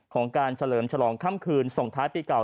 ของการเฉลิมฉลองค่ำคืนส่งท้ายปีเก่า